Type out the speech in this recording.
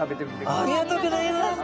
ありがとうございます。